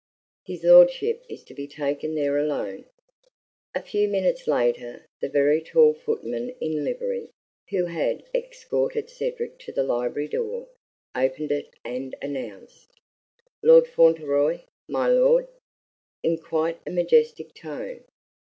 "His lordship is to be taken there alone." A few minutes later, the very tall footman in livery, who had escorted Cedric to the library door, opened it and announced: "Lord Fauntleroy, my lord," in quite a majestic tone.